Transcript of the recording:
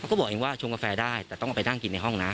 ก็บอกเองว่าชงกาแฟได้แต่ต้องเอาไปนั่งกินในห้องนะ